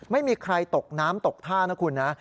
ไม่มีใครตกน้ำตกท่านะคุณนะ